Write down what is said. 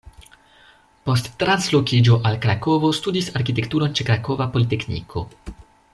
Post translokiĝo al Krakovo studis arkitekturon ĉe Krakova Politekniko.